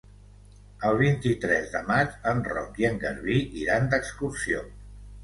El vint-i-tres de maig en Roc i en Garbí iran d'excursió.